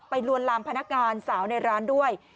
ลวนลามพนักงานสาวในร้านด้วย